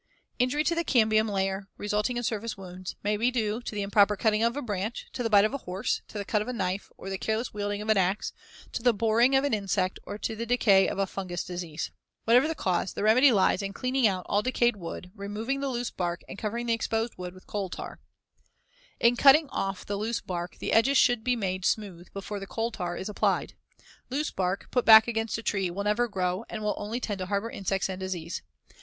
Injury to the cambium layer, resulting in surface wounds, may be due to the improper cutting of a branch, to the bite of a horse, to the cut of a knife or the careless wielding of an axe, to the boring of an insect, or to the decay of a fungous disease. (See Fig. 117.) Whatever the cause, the remedy lies in cleaning out all decayed wood, removing the loose bark and covering the exposed wood with coal tar. In cutting off the loose bark, the edges should be made smooth before the coal tar is applied. Loose bark, put back against a tree, will never grow and will only tend to harbor insects and disease.